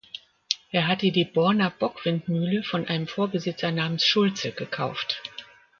Er hatte die Borner Bockwindmühle von einem Vorbesitzer namens Schulze gekauft.